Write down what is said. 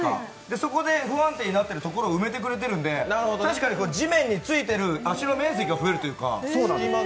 そこで不安定になっているところを埋めてくれているんで確かに地面に着いてる足の面積が広がるというか。